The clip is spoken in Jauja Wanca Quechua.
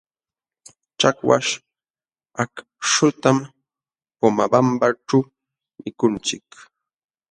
Chakwaśh akśhutam Pomabambaćhu mikunchik.